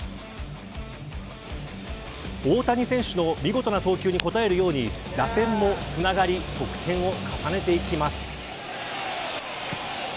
大谷選手の見事な投球に応えるように打線もつながり得点を重ねていきます。